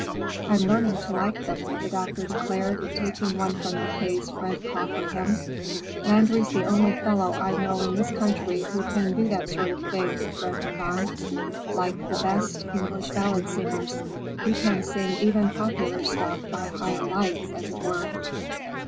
"I'm learning to like them," the doctor declared, taking one from the case Fred proffered him. "Landry's the only fellow I know in this country who can do that sort of thing," Fred went on. "Like the best English ballad singers. He can sing even popular stuff by higher lights, as it were."